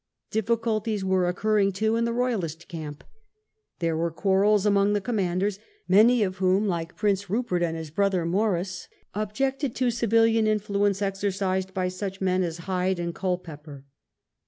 Difficulties were occurring too in the Royalist camp. There were quarrels among the commanders, many of whom, like Prince Rupert and his brother Maurice, objected to civilian influence exercised by such men as Hyde and Culpeper.